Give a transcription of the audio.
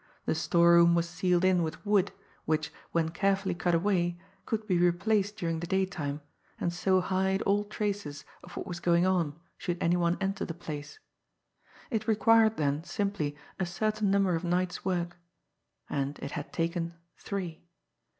The storeroom was ceiled in with wood, which, when carefully cut away, could be replaced during the daytime, and so hide all traces of what was going on should any one enter the place. It required, then, simply a certain number of nights' work and it had taken three.